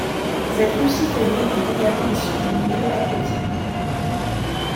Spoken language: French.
Cette luciférine est également issue du milieu aquatique.